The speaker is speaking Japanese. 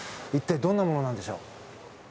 一体どんなものなんでしょう。